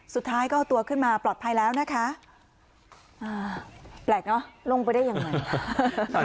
สุดท้ายก็เอาตัวขึ้นมาปลอดภัยแล้วนะคะอ่าแปลกเนอะลงไปได้ยังไง